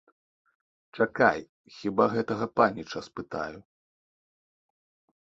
Чакай, хіба гэтага паніча спытаю!